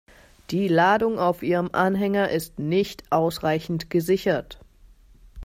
Die Ladung auf Ihrem Anhänger ist nicht ausreichend gesichert.